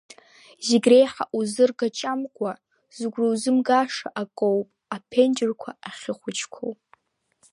Зегь реиҳа узыргачамкуа, зыгәра узымгаша акы ауп аԥенџьырқәа ахьхәыҷқәоу.